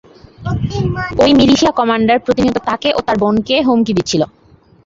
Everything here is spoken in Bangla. ঐ মিলিশিয়া কমান্ডার প্রতিনিয়ত তাকে ও তার বোনকে হুমকি দিচ্ছিল।